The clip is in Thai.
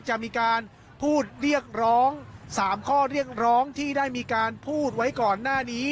จะมีการพูดเรียกร้อง๓ข้อเรียกร้องที่ได้มีการพูดไว้ก่อนหน้านี้